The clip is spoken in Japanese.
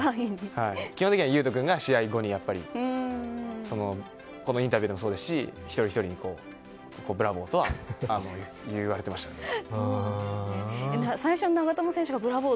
基本的には佑都君が試合後にこのインタビューでもそうですし一人ひとりにブラボー！とは最初に長友選手がブラボー！